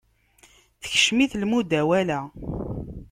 Tekcem-it lmudawala.